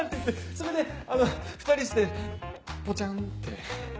それであの２人してポチャンって。